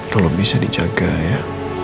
kalau bisa dijaga ya